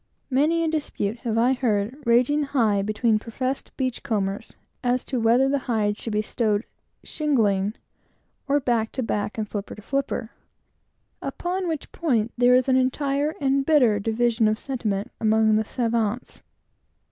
Many a dispute have I heard raging high between professed "beach combers," as to whether the hides should be stowed "shingling," or "back to back, and flipper to flipper;" upon which point there was an entire and bitter division of sentiment among the savans.